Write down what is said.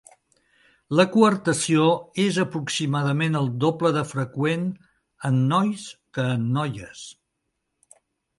La coartació és aproximadament el doble de freqüent en nois que en noies.